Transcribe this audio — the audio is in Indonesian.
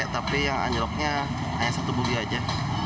tapi yang anjloknya hanya satu bugi saja